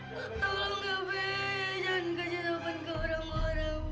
tolong gave jangan kejeleban ke orang orang